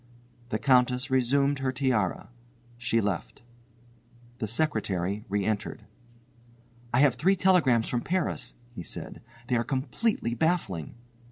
The Countess resumed her tiara. She left. The secretary re entered. "I have three telegrams from Paris," he said, "they are completely baffling."